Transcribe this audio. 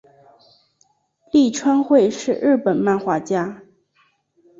立川惠是日本漫画家。